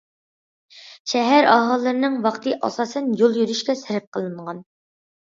شەھەر ئاھالىلىرىنىڭ ۋاقتى ئاساسەن يول يۈرۈشكە سەرپ قىلىنغان.